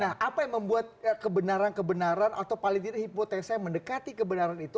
nah apa yang membuat kebenaran kebenaran atau paling tidak hipotesa yang mendekati kebenaran itu